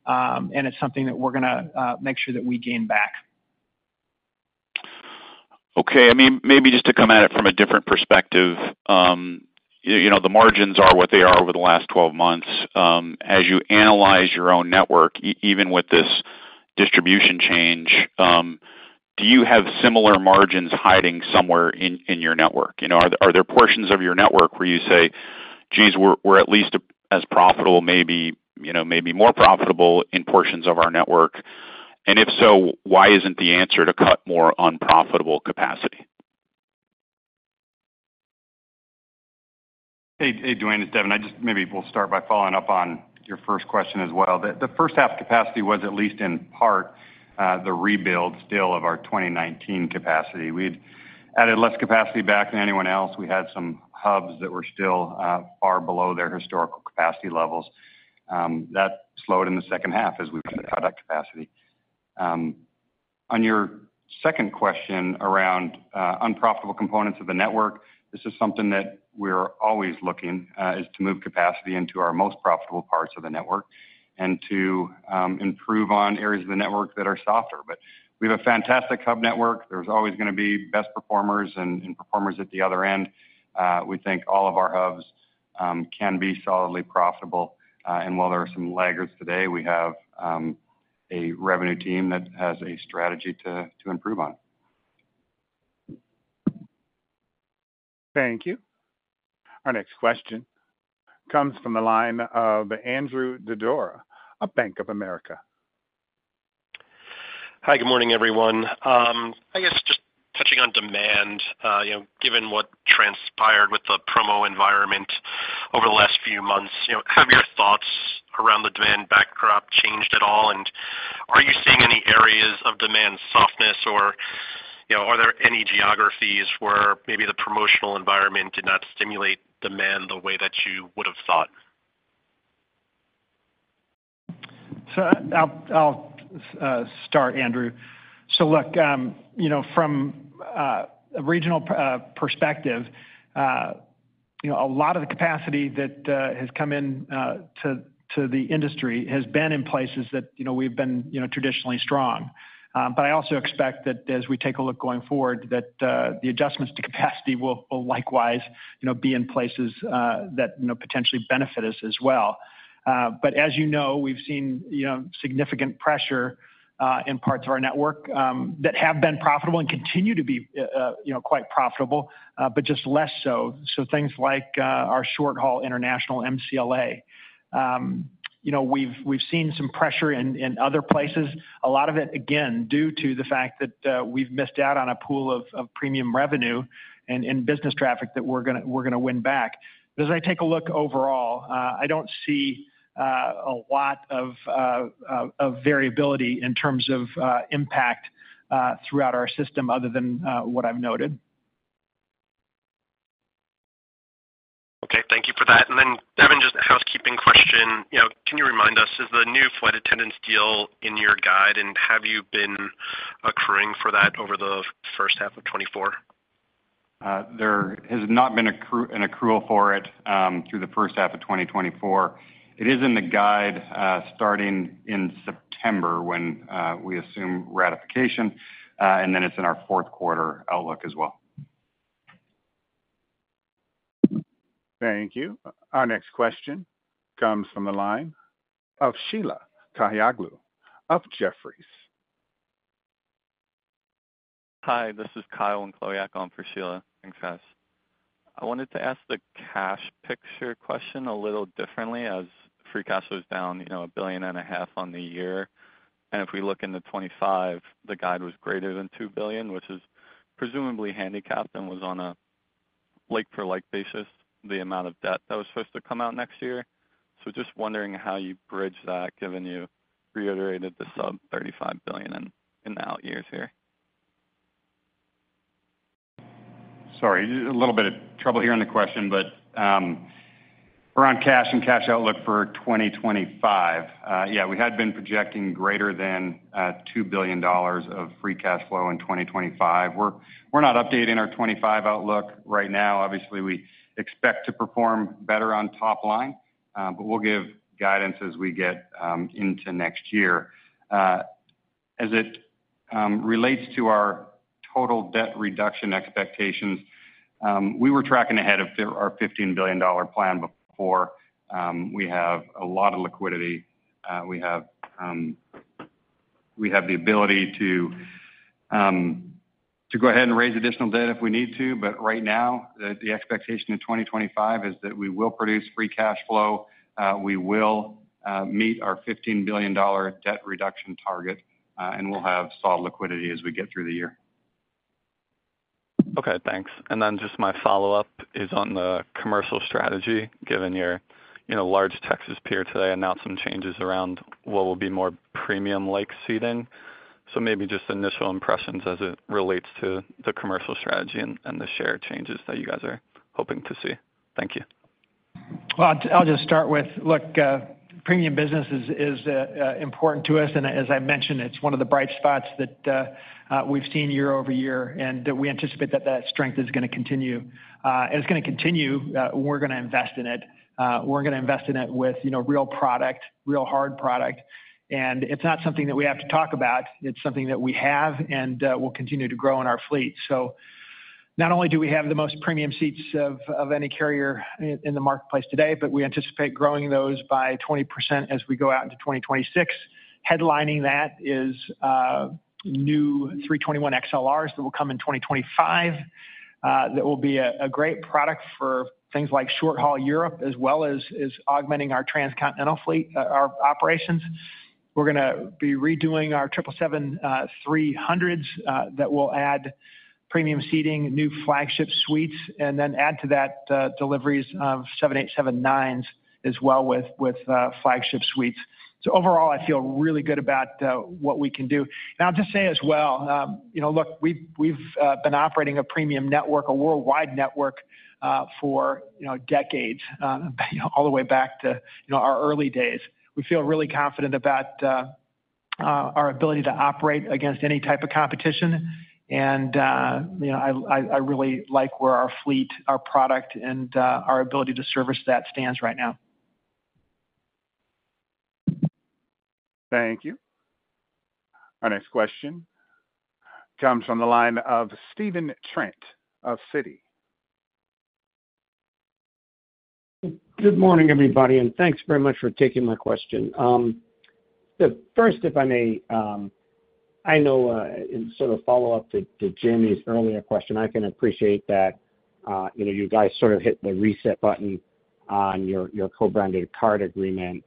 It's something that we're going to make sure that we gain back. Okay. I mean, maybe just to come at it from a different perspective, the margins are what they are over the last 12 months. As you analyze your own network, even with this distribution change, do you have similar margins hiding somewhere in your network? Are there portions of your network where you say, "Geez, we're at least as profitable, maybe more profitable in portions of our network?" And if so, why isn't the answer to cut more unprofitable capacity? Hey, Duane. It's Devon, I just maybe will start by following up on your first question as well. The first half capacity was at least in part the rebuild still of our 2019 capacity. We'd added less capacity back than anyone else. We had some hubs that were still far below their historical capacity levels. That slowed in the second half as we put product capacity. On your second question around unprofitable components of the network, this is something that we're always looking is to move capacity into our most profitable parts of the network and to improve on areas of the network that are softer. But we have a fantastic hub network. There's always going to be best performers and performers at the other end. We think all of our hubs can be solidly profitable. And while there are some laggards today, we have a revenue team that has a strategy to improve on. Thank you. Our next question comes from the line of Andrew Didora of Bank of America. Hi, good morning, everyone. I guess just touching on demand, given what transpired with the promo environment over the last few months, have your thoughts around the demand backdrop changed at all? Are you seeing any areas of demand softness, or are there any geographies where maybe the promotional environment did not stimulate demand the way that you would have thought? I'll start, Andrew. Look, from a regional perspective, a lot of the capacity that has come into the industry has been in places that we've been traditionally strong. But I also expect that as we take a look going forward, that the adjustments to capacity will likewise be in places that potentially benefit us as well. But as you know, we've seen significant pressure in parts of our network that have been profitable and continue to be quite profitable, but just less so. Things like our short-haul international, MCLA. We've seen some pressure in other places, a lot of it, again, due to the fact that we've missed out on a pool of premium revenue and business traffic that we're going to win back. But as I take a look overall, I don't see a lot of variability in terms of impact throughout our system other than what I've noted. Okay. Thank you for that. And then, Devon, just housekeeping question. Can you remind us, is the new flight attendants deal in your guide, and have you been accruing for that over the first half of 2024? There has not been an accrual for it through the first half of 2024. It is in the guide starting in September when we assume ratification. And then it's in our fourth quarter outlook as well. Thank you. Our next question comes from the line of Sheila Kahyaoglu of Jefferies. Hi, this is Kyle Wenclawiak for Sheila Kahyaoglu. Thanks, guys. I wanted to ask the cash picture question a little differently. Free cash was down $1.5 billion on the year. If we look in 2025, the guide was greater than $2 billion, which is presumably handicapped and was on a like-for-like basis, the amount of debt that was supposed to come out next year. So just wondering how you bridge that, given you reiterated the sub-$35 billion in out years here. Sorry, a little bit of trouble hearing the question, but we're on cash and cash outlook for 2025. Yeah, we had been projecting greater than $2 billion of free cash flow in 2025. We're not updating our 2025 outlook right now. Obviously, we expect to perform better on top line, but we'll give guidance as we get into next year. As it relates to our total debt reduction expectations, we were tracking ahead of our $15 billion plan before. We have a lot of liquidity. We have the ability to go ahead and raise additional debt if we need to. But right now, the expectation in 2025 is that we will produce free cash flow. We will meet our $15 billion debt reduction target, and we'll have solid liquidity as we get through the year. Okay. Thanks. And then just my follow-up is on the commercial strategy, given your large Texas peer today announced some changes around what will be more premium-like seating. So maybe just initial impressions as it relates to the commercial strategy and the share changes that you guys are hoping to see. Thank you. Well, I'll just start with, look, premium business is important to us. As I mentioned, it's one of the bright spots that we've seen year over year, and we anticipate that that strength is going to continue. It's going to continue. We're going to invest in it. We're going to invest in it with real product, real hard product. It's not something that we have to talk about. It's something that we have and will continue to grow in our fleet. Not only do we have the most premium seats of any carrier in the marketplace today, but we anticipate growing those by 20% as we go out into 2026. Headlining that is new A321XLRs that will come in 2025. That will be a great product for things like short-haul Europe, as well as augmenting our transcontinental fleet, our operations. We're going to be redoing our 777-300s that will add premium seating, new Flagship Suites, and then add to that deliveries of 787-9s as well with Flagship Suites. So overall, I feel really good about what we can do. And I'll just say as well, look, we've been operating a premium network, a worldwide network for decades, all the way back to our early days. We feel really confident about our ability to operate against any type of competition. And I really like where our fleet, our product, and our ability to service that stands right now. Thank you. Our next question comes from the line of Stephen Trent of Citi. Good morning, everybody. And thanks very much for taking my question. First, if I may, I know in sort of follow-up to Jamie's earlier question, I can appreciate that you guys sort of hit the reset button on your co-branded card agreement.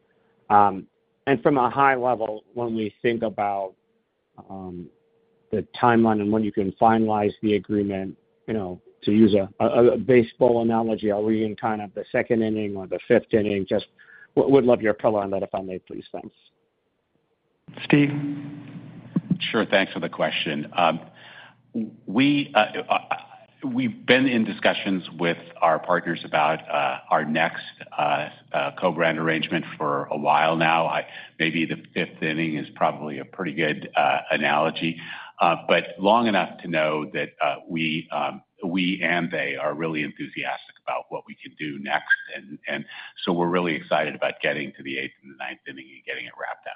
From a high level, when we think about the timeline and when you can finalize the agreement, to use a baseball analogy, are we in kind of the second inning or the fifth inning? Just would love your view on that, if I may, please. Thanks. Steph. Sure. Thanks for the question. We've been in discussions with our partners about our next co-brand arrangement for a while now. Maybe the fifth inning is probably a pretty good analogy, but long enough to know that we and they are really enthusiastic about what we can do next. So we're really excited about getting to the eighth and the ninth inning and getting it wrapped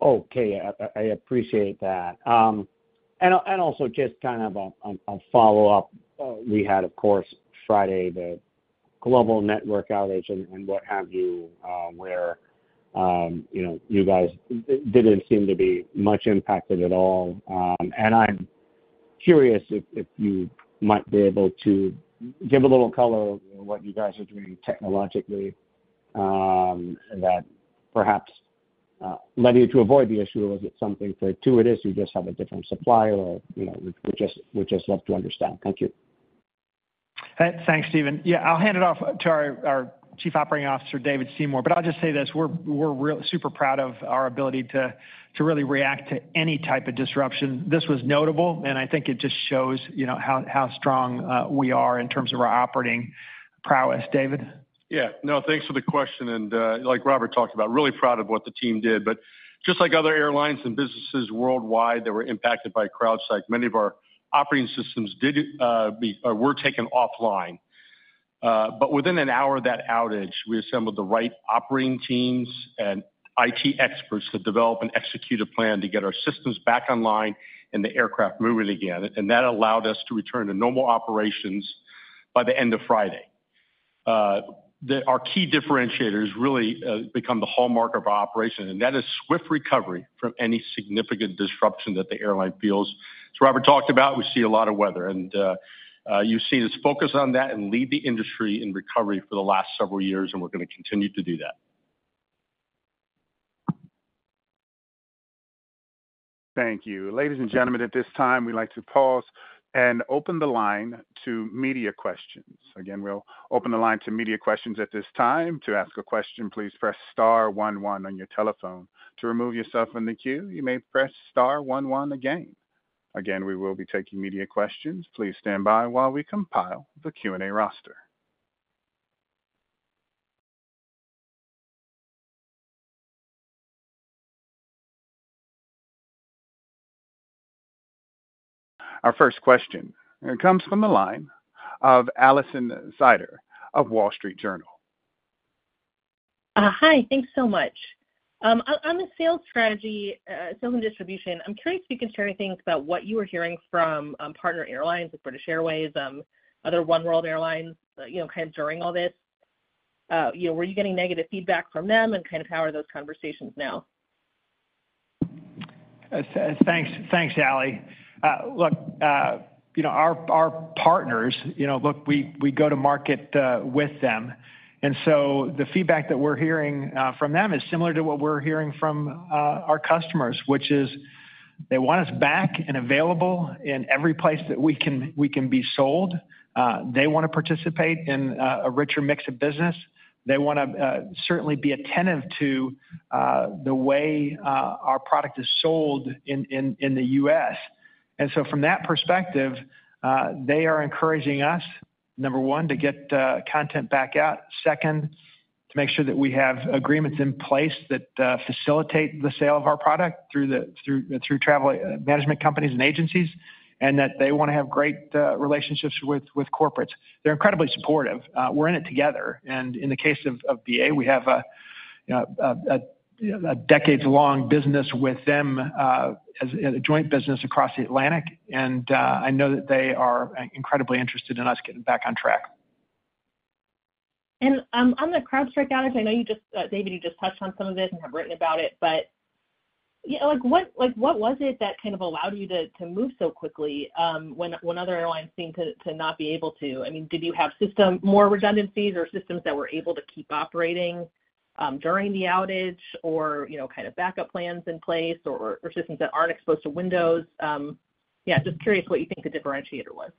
up. Okay. I appreciate that. And also just kind of a follow-up. We had, of course, Friday, the global network outage and what have you, where you guys didn't seem to be much impacted at all. And I'm curious if you might be able to give a little color in what you guys are doing technologically that perhaps led you to avoid the issue. Was it something fortuitous? You just have a different supplier? We'd just love to understand. Thank you. Thanks, Stephen. Yeah, I'll hand it off to our Chief Operating Officer, David Seymour. But I'll just say this. We're super proud of our ability to really react to any type of disruption. This was notable, and I think it just shows how strong we are in terms of our operating prowess, David. Yeah. No, thanks for the question. And like Robert talked about, really proud of what the team did. But just like other airlines and businesses worldwide that were impacted by CrowdStrike, many of our operating systems were taken offline. But within an hour of that outage, we assembled the right operating teams and IT experts to develop and execute a plan to get our systems back online and the aircraft moving again. And that allowed us to return to normal operations by the end of Friday. Our key differentiator has really become the hallmark of our operation, and that is swift recovery from any significant disruption that the airline feels. As Robert talked about, we see a lot of weather. And you've seen us focus on that and lead the industry in recovery for the last several years, and we're going to continue to do that. Thank you. Ladies and gentlemen, at this time, we'd like to pause and open the line to media questions. Again, we'll open the line to media questions at this time. To ask a question, please press star one one on your telephone. To remove yourself from the queue, you may press star one one again. Again, we will be taking media questions. Please stand by while we compile the Q&A roster. Our first question comes from the line of Alison Sider of The Wall Street Journal. Hi, thanks so much. On the sales strategy, sales and distribution, I'm curious if you can share any things about what you were hearing from partner airlines like British Airways, other Oneworld airlines, kind of during all this. Were you getting negative feedback from them, and kind of how are those conversations now? Thanks, Ali. Look, our partners, look, we go to market with them. And so the feedback that we're hearing from them is similar to what we're hearing from our customers, which is they want us back and available in every place that we can be sold. They want to participate in a richer mix of business. They want to certainly be attentive to the way our product is sold in the U.S. And so from that perspective, they are encouraging us, number one, to get content back out. Second, to make sure that we have agreements in place that facilitate the sale of our product through travel management companies and agencies, and that they want to have great relationships with corporates. They're incredibly supportive. We're in it together. And in the case of BA, we have a decades-long business with them as a joint business across the Atlantic. And I know that they are incredibly interested in us getting back on track. On the CrowdStrike outage, I know you just, David, you just touched on some of this and have written about it, but what was it that kind of allowed you to move so quickly when other airlines seemed to not be able to? I mean, did you have more redundancies or systems that were able to keep operating during the outage or kind of backup plans in place or systems that aren't exposed to Windows? Yeah, just curious what you think the differentiator was.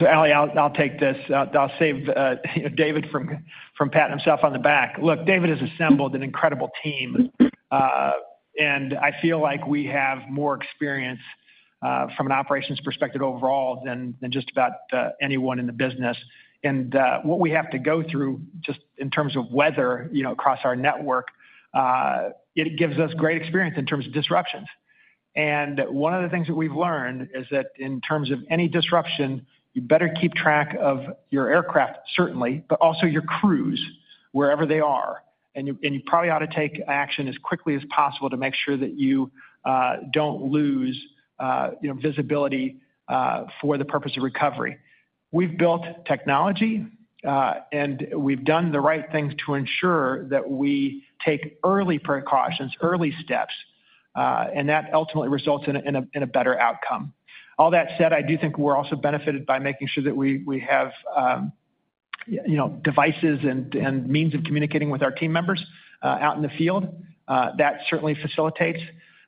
So Ali, I'll take this. I'll save David from patting himself on the back. Look, David has assembled an incredible team. I feel like we have more experience from an operations perspective overall than just about anyone in the business. What we have to go through just in terms of weather across our network, it gives us great experience in terms of disruptions. And one of the things that we've learned is that in terms of any disruption, you better keep track of your aircraft, certainly, but also your crews, wherever they are. And you probably ought to take action as quickly as possible to make sure that you don't lose visibility for the purpose of recovery. We've built technology, and we've done the right things to ensure that we take early precautions, early steps, and that ultimately results in a better outcome. All that said, I do think we're also benefited by making sure that we have devices and means of communicating with our team members out in the field. That certainly facilitates.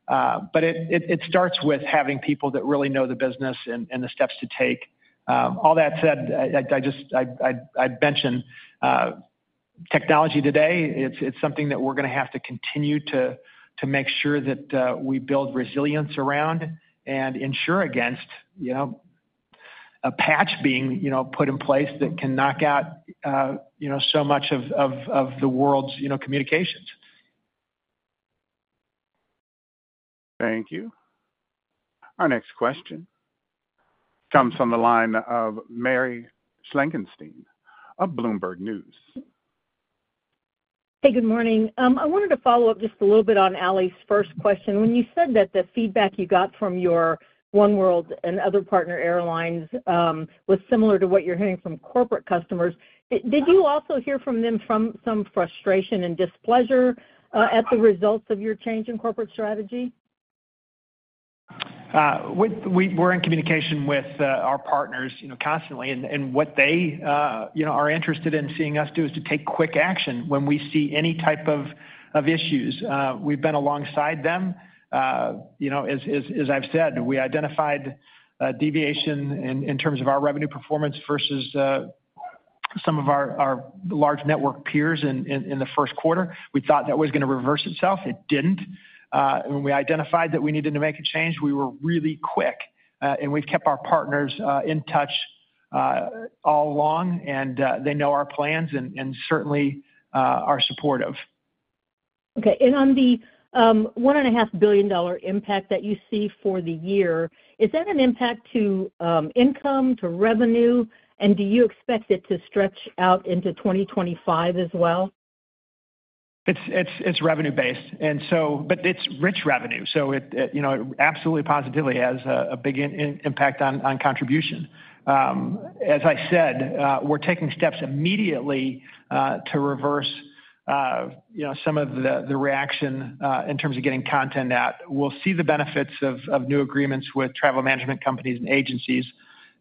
But it starts with having people that really know the business and the steps to take. All that said, I'd mention technology today. It's something that we're going to have to continue to make sure that we build resilience around and insure against a patch being put in place that can knock out so much of the world's communications. Thank you. Our next question comes from the line of Mary Schlangenstein of Bloomberg News. Hey, good morning. I wanted to follow up just a little bit on Ali's first question. When you said that the feedback you got from your Oneworld and other partner airlines was similar to what you're hearing from corporate customers, did you also hear from them from some frustration and displeasure at the results of your change in corporate strategy? We're in communication with our partners constantly, and what they are interested in seeing us do is to take quick action when we see any type of issues. We've been alongside them. As I've said, we identified deviation in terms of our revenue performance versus some of our large network peers in the first quarter. We thought that was going to reverse itself. It didn't. When we identified that we needed to make a change, we were really quick. And we've kept our partners in touch all along, and they know our plans and certainly are supportive. Okay. And on the $1.5 billion impact that you see for the year, is that an impact to income, to revenue, and do you expect it to stretch out into 2025 as well? It's revenue-based, but it's rich revenue. So it absolutely positively has a big impact on contribution. As I said, we're taking steps immediately to reverse some of the reaction in terms of getting content out. We'll see the benefits of new agreements with travel management companies and agencies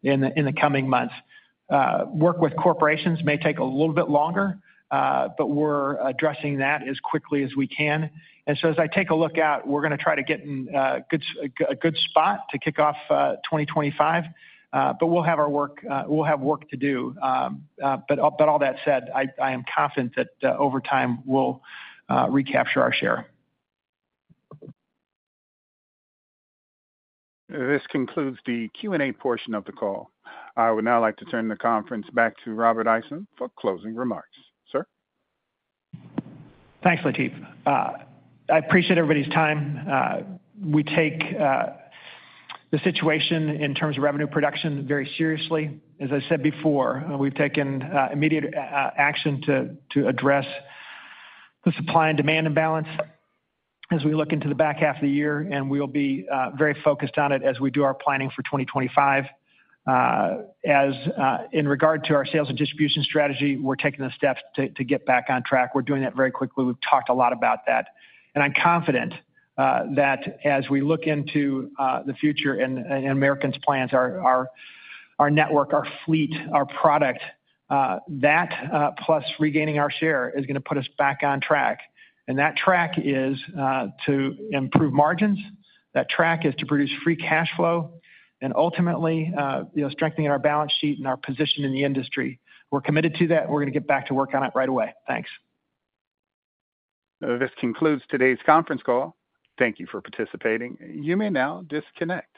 in the coming months. Work with corporations may take a little bit longer, but we're addressing that as quickly as we can. And so as I take a look out, we're going to try to get in a good spot to kick off 2025, but we'll have work to do. But all that said, I am confident that over time, we'll recapture our share. This concludes the Q&A portion of the call. I would now like to turn the conference back to Robert Isom for closing remarks. Sir. Thanks, Latif. I appreciate everybody's time. We take the situation in terms of revenue production very seriously. As I said before, we've taken immediate action to address the supply and demand imbalance as we look into the back half of the year, and we'll be very focused on it as we do our planning for 2025. In regard to our sales and distribution strategy, we're taking the steps to get back on track. We're doing that very quickly. We've talked a lot about that. I'm confident that as we look into the future and American's plans, our network, our fleet, our product, that plus regaining our share is going to put us back on track. That track is to improve margins. That track is to produce free cash flow and ultimately strengthening our balance sheet and our position in the industry. We're committed to that, and we're going to get back to work on it right away. Thanks. This concludes today's conference call. Thank you for participating. You may now disconnect.